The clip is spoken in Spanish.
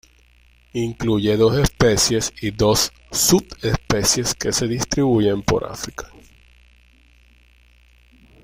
Incluye dos especies y dos subespecies, que se distribuyen por África.